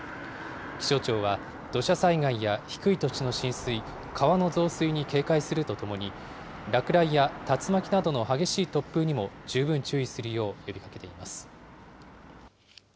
気象庁は、土砂災害や低い土地の浸水、川の増水に警戒するとともに、落雷や竜巻などの激しい突風にも十分注意するよう呼びかけています。